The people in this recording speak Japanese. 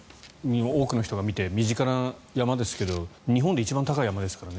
多くの人が見て身近な山ですけど日本で一番高い山ですからね。